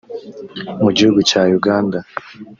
Mu gihugu cya Uganda